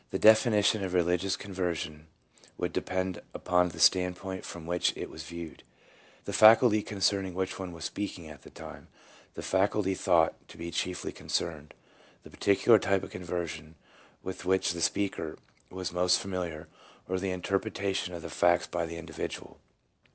definition of a religious conversion would depend upon the standpoint from which it was viewed, the faculty concerning which one was speaking at the time, the faculty thought to be chiefly concerned, the particular type of conversion with which the speaker was most familiar, or the interpretation of the facts by the individual.